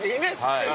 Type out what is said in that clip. はい。